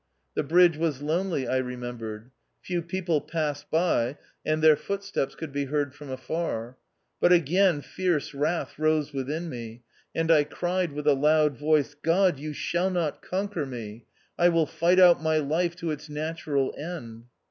The bridge was lonely I remembered. Few people passed by, and their footsteps could be heard from afar. But a^ain fierce wrath rose within me ; and I cried with a loud voice, "God, you shall not conquer me ; I will fight out my life to its natural end."